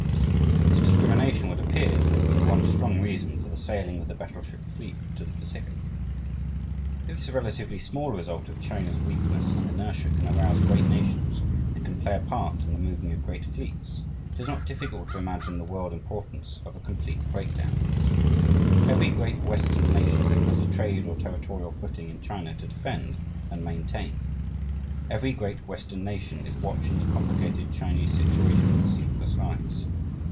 This discrimination would appear to have been one strong reason for the sailing of the battleship fleet to the Pacific. If this relatively small result of China's weakness and inertia can arouse great nations and can play a part in the moving of great fleets, it is not difficult to imagine the world importance of a complete breakdown. Every great Western nation has a trade or territorial footing in China to defend and maintain. Every great Western nation is watching the complicated Chinese situation with sleepless eyes.